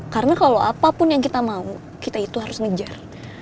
karena kalau apapun yang kita mau kita itu harus ngejar